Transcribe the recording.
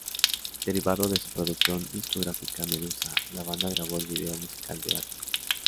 Derivado de su producción discográfica Medusa, la banda grabó el video musical de "Atlas".